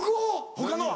他のは？